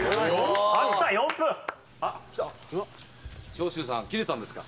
長州さんキレたんですか？